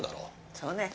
そうね。